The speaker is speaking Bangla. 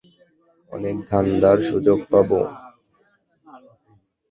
অনেক ধান্দার সুযোগ পাবো!